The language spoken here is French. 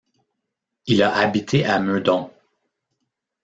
Il a habité à Meudon.